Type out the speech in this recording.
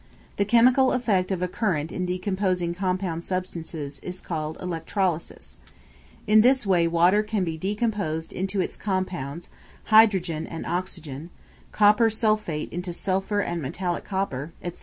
The chemical effect of a current in decomposing compound substances is called electrolysis. In this way water can be decomposed into its compounds, hydrogen and oxygen; copper sulphate into sulphur and metallic copper, etc.